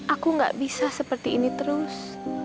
aku gak bisa seperti ini terus